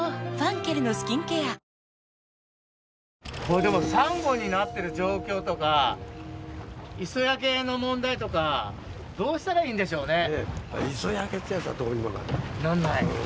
これ、でもサンゴになってる状況とか磯焼けの問題とかどうしたらいいんでしょうね？